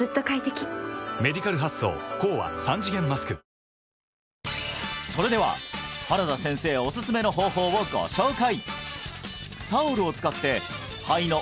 このあとそれでは原田先生おすすめの方法をご紹介！